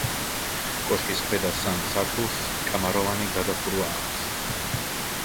კოშკის ქვედა სამ სართულს კამაროვანი გადახურვა აქვს.